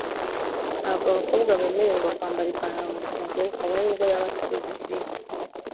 ntabwo abakobwa bemererwa kwambara ipantaro mu rusengero kabone n’ubwo yaba atari buririmbe